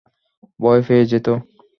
ভয় পেয়ে যেতো।